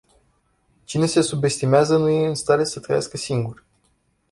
Cine se subestimează, nu e în stare să trăiască singur.